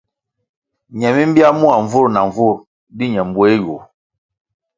Ñe mi mbya mua nvur na nvur di ñe mbueh yu.